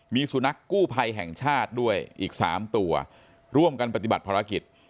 มีสุนัขกู้ภัยแห่งชาติด้วยอีก๓ตัวร่วมกันปฏิบัติภารกิจ